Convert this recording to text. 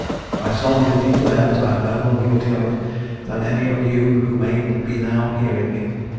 I solemnly declare that I am no more guilty of it than any of you who may be now hearing me.